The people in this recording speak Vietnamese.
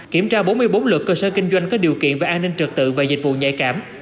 kiểm tra bốn mươi bốn lượt cơ sở kinh doanh có điều kiện về an ninh trật tự và dịch vụ nhạy cảm